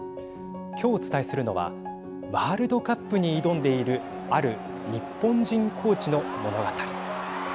今日、お伝えするのはワールドカップに挑んでいるある日本人コーチの物語。